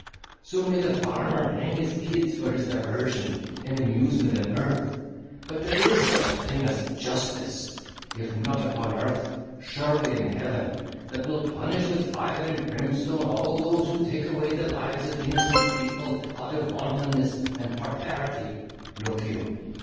So may the farmer hang his kids for his diversion, and amusement, and mirth; but there is such a thing as justice, if not upon earth, surely in heaven, that will punish with fire and primstone all those who take away the lives of innocent people out of wantonness, and parparity (look you).